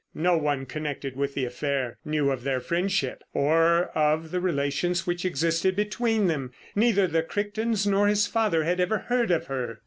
No one connected with the affair knew of their friendship or of the relations which existed between them. Neither the Crichtons nor his father had ever heard of her.